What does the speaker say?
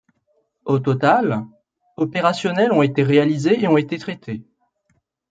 Au total, opérationnelles ont été réalisées et ont été traités.